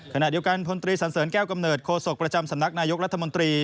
ขณะเดียวกันพลตรีสันเสริญแก้วกำเนิดโคศกประจำสำนักนายกรัฐมนตรี